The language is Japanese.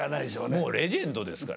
もうレジェンドですから。